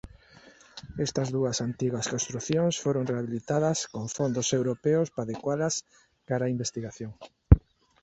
Estas dúas antigas construcións foron rehabilitadas con fondos europeos para adecualas cara a investigación.